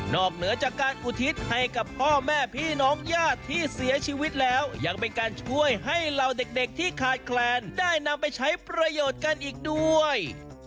เหนือจากการอุทิศให้กับพ่อแม่พี่น้องญาติที่เสียชีวิตแล้วยังเป็นการช่วยให้เหล่าเด็กที่ขาดแคลนได้นำไปใช้ประโยชน์กันอีกด้วย